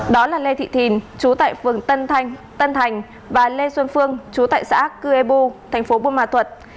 đó là lê thị thìn chú tại phường tân thành và lê xuân phương chú tại xã cư e bu tp bumma thuật